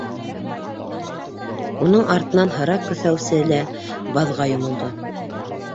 Уның артынан һыра көҫәүсе лә баҙға йомолдо.